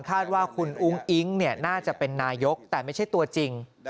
คาดว่าคุณธงค์อ้งอิ้งเนี่ยน่าจะเป็นนายกแต่ไม่ใช่ตัวจริง